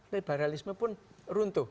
liberalisme pun runtuh